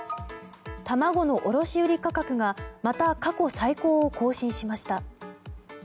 卵の卸売価格がまた過去最高を更新しました。